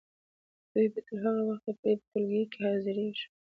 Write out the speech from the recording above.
دوی به تر هغه وخته پورې په ټولګیو کې حاضریږي.